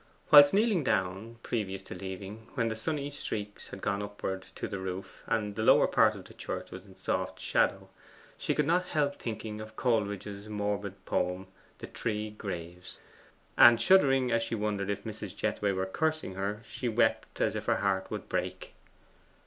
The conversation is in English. Whilst kneeling down previous to leaving, when the sunny streaks had gone upward to the roof, and the lower part of the church was in soft shadow, she could not help thinking of Coleridge's morbid poem 'The Three Graves,' and shuddering as she wondered if Mrs. Jethway were cursing her, she wept as if her heart would break.